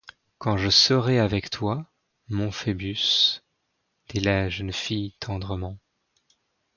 Quand je serai avec toi, mon Phœbus ! dit la jeune fille tendrement.